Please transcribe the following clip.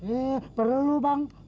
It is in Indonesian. eh perlu bang